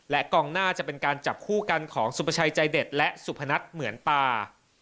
และกองหน้าจะเป็นการจับคู่กันของสุประชัยใจเด็ดและสุพนัทเหมือนตา